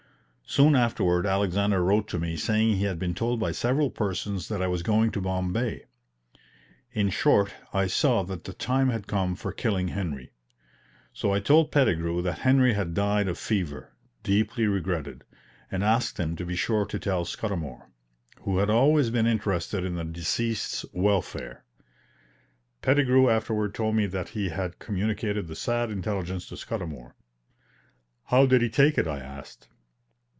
Soon afterward Alexander wrote to me saying he had been told by several persons that I was going to Bombay. In short, I saw that the time had come for killing Henry. So I told Pettigrew that Henry had died of fever, deeply regretted; and asked him to be sure to tell Scudamour, who had always been interested in the deceased's welfare. Pettigrew afterward told me that he had communicated the sad intelligence to Scudamour. "How did he take it?" I asked.